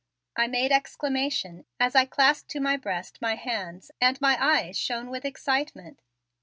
I made exclamation as I clasped to my breast my hands and my eyes shone with excitement.